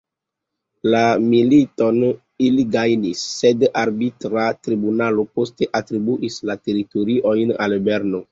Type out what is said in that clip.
La militon ili gajnis, sed arbitra tribunalo poste atribuis la teritoriojn al Berno.